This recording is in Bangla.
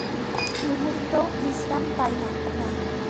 এক মুহূর্তও বিশ্রাম পাই না।